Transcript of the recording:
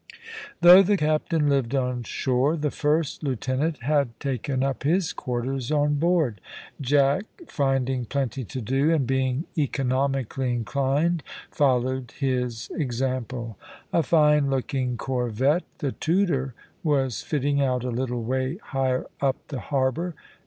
Though the captain lived on shore, the first lieutenant had taken up his quarters on board; Jack finding plenty to do, and being economically inclined followed his example. A fine looking corvette, the Tudor, was fitting out a little way higher up the harbour.